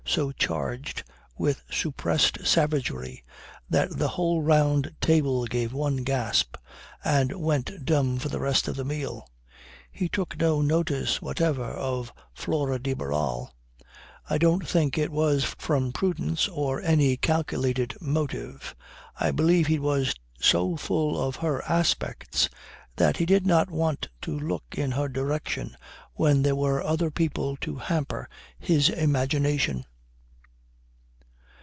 so charged with suppressed savagery that the whole round table gave one gasp and went dumb for the rest of the meal. He took no notice whatever of Flora de Barral. I don't think it was from prudence or any calculated motive. I believe he was so full of her aspects that he did not want to look in her direction when there were other people to hamper his imagination.